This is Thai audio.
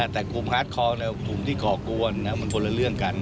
แต่กลุ่มฮาร์ดคอร์สกลุ่มที่ก่อกวนมันคนละเรื่องกัน